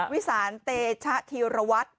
วิสานเตชะธีรวรรดิ